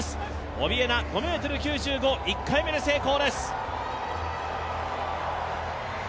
オビエナ、５ｍ９５、１回目で成功です。